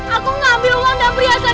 aku ngambil uang dan perhiasan